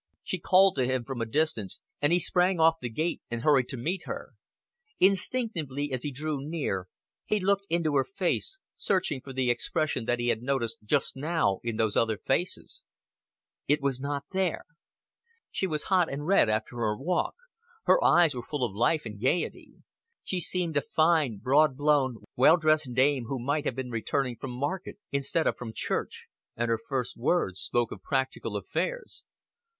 She called to him from a distance, and he sprang off the gate and hurried to meet her. Instinctively, as he drew near, he looked into her face, searching for the expression that he had noticed just now in those other faces. It was not there. She was hot and red after her walk; her eyes were full of life and gaiety; she seemed a fine, broad blown, well dressed dame who might have been returning from market instead of from church, and her first words spoke of practical affairs.